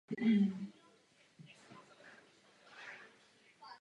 Je mnoho krásných a harmonických kompozic bez těchto výrazných prvků.